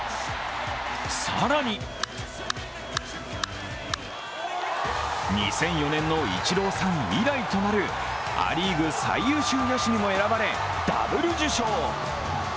さらに、２００４年のイチローさん以来となるア・リーグ最優秀野手にも選ばれダブル受賞。